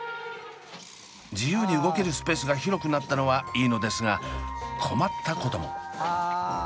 自由に動けるスペースが広くなったのはいいのですが困ったことも。